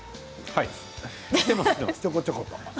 ちょこちょこと。